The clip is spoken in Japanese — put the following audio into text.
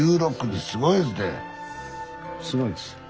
すごいですね。